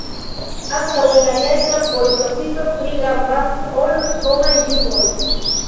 Ankaŭ en aliaj kampoj profito pli gravas ol homaj vivoj.